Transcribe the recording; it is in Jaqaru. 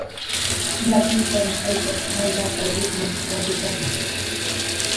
"yatxutan aykaps may lataw utnushp"" wasurtaki."